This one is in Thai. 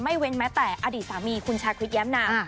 ไม่เว้นแม้แต่อดีตสามีคุณชาควิทย์ย้ำน้ำ